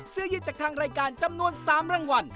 ซื้อยืดจากทางรายการจำนวน๓รางวัล